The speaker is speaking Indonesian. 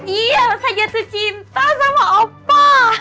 iya saya jatuh cinta sama opa